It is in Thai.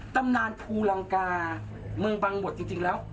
ตำนานภูลังกาเมืองบังหมดจริงแล้ว